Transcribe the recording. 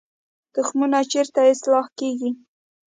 تخمونه چیرته اصلاح کیږي؟